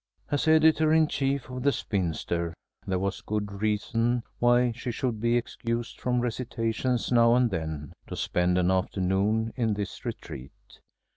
As editor in chief of The Spinster, there was good reason why she should be excused from recitations now and then, to spend an afternoon in this retreat.